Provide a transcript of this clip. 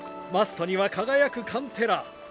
マストには輝くカンテラ。